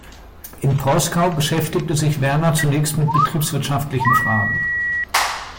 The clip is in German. In Proskau beschäftigte sich Werner zunächst mit betriebswirtschaftlichen Fragen.